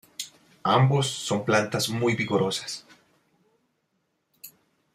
Ambos son plantas muy vigorosas.